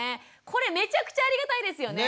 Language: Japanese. これめちゃくちゃありがたいですよね。